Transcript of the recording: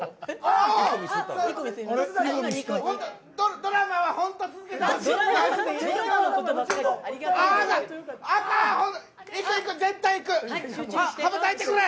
ドラマは本当に続けてほしい。